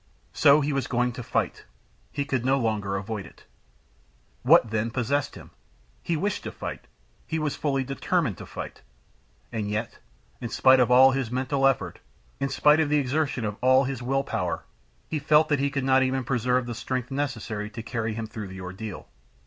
So he was going to fight! He could no longer avoid it. What, then, possessed him? He wished to fight, he was fully determined to fight, and yet, in spite of all his mental effort, in spite of the exertion of all his will power, he felt that he could not even preserve the strength necessary to carry him through the ordeal.